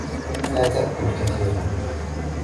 لا تأكل كثيرا.